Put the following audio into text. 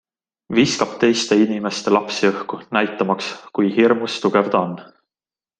Viskab teiste inimeste lapsi õhku, näitamaks, kui hirmus tugev ta on.